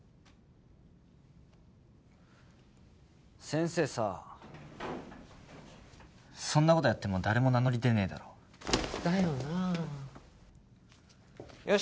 先生さそんなことやっても誰も名乗り出ねえだろだよなよ